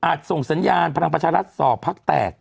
ส่งสัญญาณพลังประชารัฐสอบพักแตก